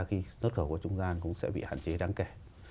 khi xuất khẩu của trung gian cũng sẽ bị hạn chế đáng kể